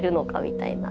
みたいな。